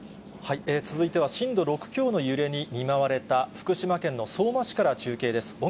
続いては震度６強の揺れに見舞われた福島県の相馬市から中継です。